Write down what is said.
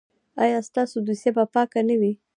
ایا ستاسو دوسیه به پاکه نه وي؟